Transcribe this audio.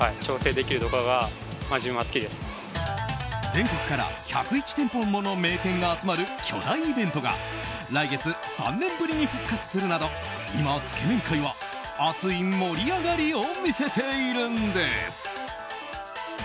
全国から１０１店舗もの名店が集まる巨大イベントが来月３年ぶりに復活するなど今、つけ麺界は熱い盛り上がりを見せているんです。